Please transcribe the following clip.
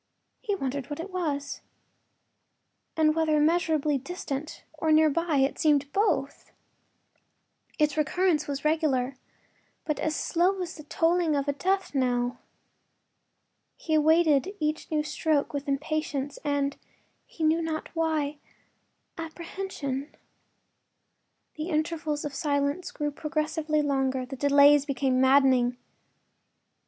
He wondered what it was, and whether immeasurably distant or near by— it seemed both. Its recurrence was regular, but as slow as the tolling of a death knell. He awaited each new stroke with impatience and—he knew not why—apprehension. The intervals of silence grew progressively longer; the delays became maddening.